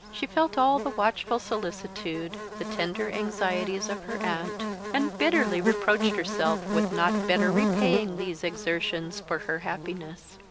She felt all the watchful solicitude, the tender anxieties of her aunt, and bitterly reproached herself with not better repaying these exertions for her happiness.